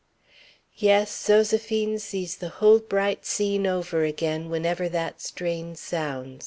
Yes, Zoséphine sees the whole bright scene over again whenever that strain sounds.